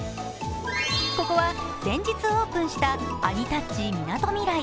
ここは先日オープンしたアニタッチみなとみらい。